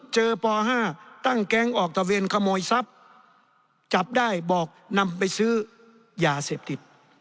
ป๕ตั้งแก๊งออกตะเวนขโมยทรัพย์จับได้บอกนำไปซื้อยาเสพติด